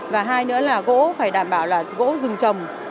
và hai nữa là gỗ phải đảm bảo là gỗ rừng trồng